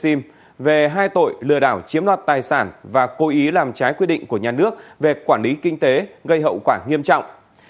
tòa án upc về hai tội lừa đảo chiếm loạt tài sản và cố ý làm trái quyết định của nhà nước về quản lý kinh tế gây hậu quả nghiêm trọng